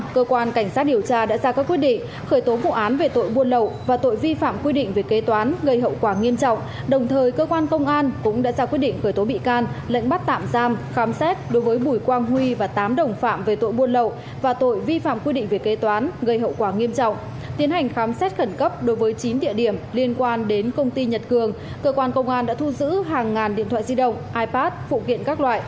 cơ quan cảnh sát điều tra bộ công an vừa triệt phá đường dây tội bùi quang huy tổng giám đốc công ty trách nhiệm hiểu hoạn thương mại và dịch vụ kỹ thuật nhật cường chủ mưu cầm đầu